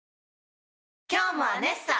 今日も「アネッサ」！